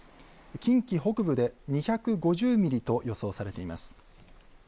近畿北部で２５０ミリと予想されています。